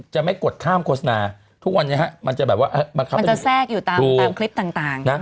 จะไม่กดข้ามโฆษณาทุกวันนี้ฮะมันจะแบบว่ามันจะแทรกอยู่ตามคลิปต่างนะ